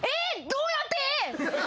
どうやって！？